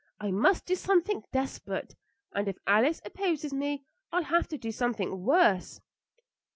I must do something desperate, and if Alice opposes me I'll have to do something worse."